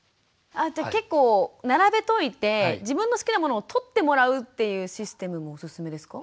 あじゃあ結構並べといて自分の好きなものを取ってもらうっていうシステムもおすすめですか？